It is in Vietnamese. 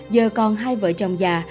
giờ còn hai vợ chồng già